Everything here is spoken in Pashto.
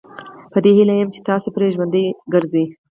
په دې هیله یم چې تاسي پرې ژوندي ګرځئ.